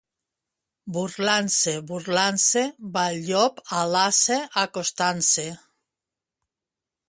Burlant-se, burlant-se, va el llop a l'ase acostant-se.